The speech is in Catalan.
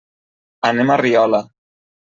Anem a Riola.